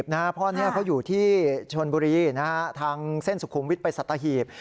เพราะอันนี้เขาอยู่ที่ชนบุรีทางเส้นสุขุมวิทย์ไปสัตหีบ